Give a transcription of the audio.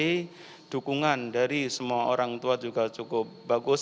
tapi dukungan dari semua orang tua juga cukup bagus